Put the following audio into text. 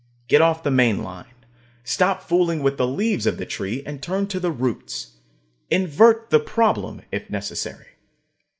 Get off the main line. Stop fooling with the leaves of the tree, and turn to the roots. Invert the problem, if necessary.